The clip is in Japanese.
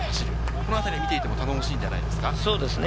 このあたり見ていても楽しいんじゃないですか？